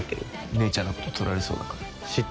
姉ちゃんのこと取られそうだから。